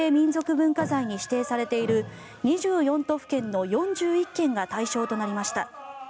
文化財に指定されている２４都府県の４１件が対象となりました。